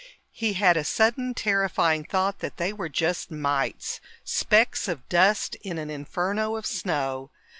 He had a sudden, terrifying thought that they were just mites, specks of dust in an inferno of snow.